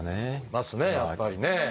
いますねやっぱりね。